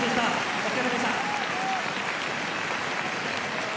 お疲れさまでした。